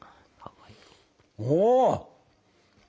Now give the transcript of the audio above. お！